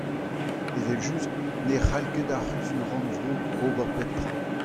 Evel-just ne cʼhall ket ar Cʼhuzul-rannvro ober pep tra !